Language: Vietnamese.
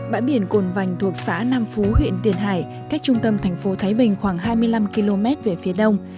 bãi biển cồn vành thuộc xã nam phú huyện tiền hải cách trung tâm thành phố thái bình khoảng hai mươi năm km về phía đông